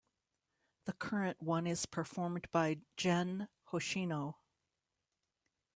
The current one is performed by Gen Hoshino.